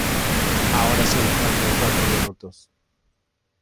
ahora solo faltan cuatro minutos.